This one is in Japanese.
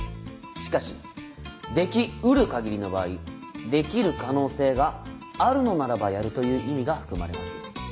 しかし「できうる限り」の場合「できる可能性があるのならばやる」という意味が含まれます。